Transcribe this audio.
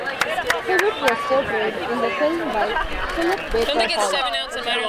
Hewitt was portrayed in the film by Philip Baker Hall.